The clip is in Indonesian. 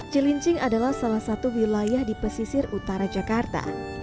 cilincing adalah salah satu wilayah di pesisir utara jakarta